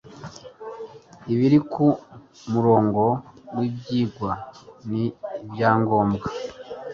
ibiri ku murongo w ibyigwa n ibyangombwa